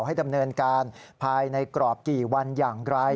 ให้ดำเนินการภายในกรอบกี่วันอย่างไร